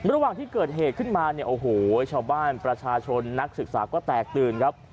ระหว่างที่เกิดเหตุขึ้นมาเนี่ยโอ้โหชาวบ้านประชาชนนักศึกษาก็แตกตื่นครับ